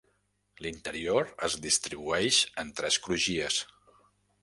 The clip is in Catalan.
L'interior es distribueix en tres crugies.